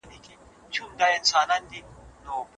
لیکل د جملو په پېژندلو کي تر اورېدلو مرسته کوي.